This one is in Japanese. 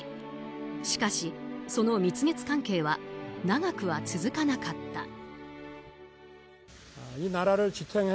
しかし、その蜜月関係は長くは続かなかった。